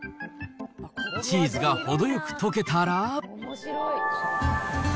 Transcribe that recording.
チーズが程よく溶けたら。